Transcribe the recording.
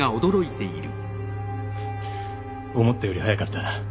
思ったより早かったな。